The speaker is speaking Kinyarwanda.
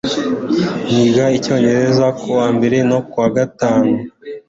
Niga Icyongereza kuwa mbere no kuwa gatanu.